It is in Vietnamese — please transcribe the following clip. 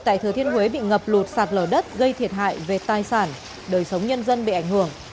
tại thừa thiên huế bị ngập lụt sạt lở đất gây thiệt hại về tài sản đời sống nhân dân bị ảnh hưởng